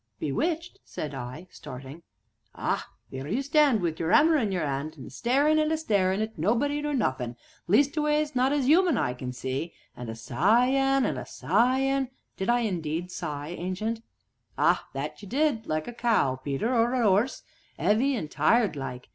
"Bewitched!" said I, starting. "Ah! theer you stand wi' your 'ammer in your 'and a starin' an' a starin' at nobody, nor nothin' leastways not as 'uman eye can see, an' a sighin', an' a sighin' " "Did I indeed sigh, Ancient?" "Ah that ye did like a cow, Peter, or a 'orse 'eavy an' tired like.